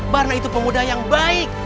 karena itu pemuda yang baik